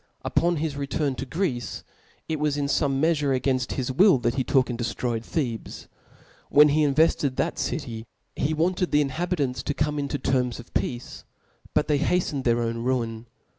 Upon his return to Greece (), Aicxan* ic was in fome meafure againft his will, that he (hi|'i)}\()/* (ook and deftroyed Thebes. When he invefted that city, he wanted the inhabitants to come into tcnns of peace \ but they haftened their own ruin.